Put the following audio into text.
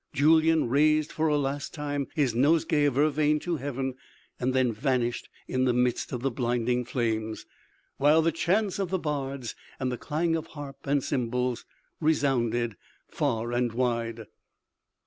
Julyan, raised for a last, time his nosegay of vervain to heaven, and then vanished in the midst of the blinding flames, while the chants of the bards and the clang of harp and cymbals resounded far and wide.